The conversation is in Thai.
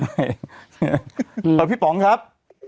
ครับพี่ป๋องครับ